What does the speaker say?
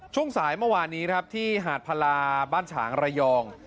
ช่วงสายเมื่อวานนี้ครับที่หาดพลาบ้านฉางระยอง